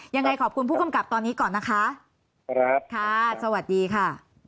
ยังไงขอบคุณผู้กำกับตอนนี้ก่อนนะคะครับค่ะสวัสดีค่ะ